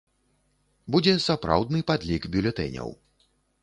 Будзе сапраўдны падлік бюлетэняў.